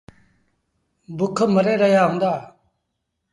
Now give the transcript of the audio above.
بُک مري رهيآ هُݩدآ۔